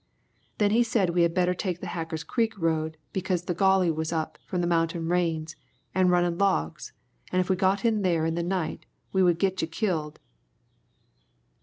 Then he said we had better take the Hacker's Creek road because the Gauley was up from the mountain rains, an' runnin' logs, an' if we got in there in the night we would git you killed."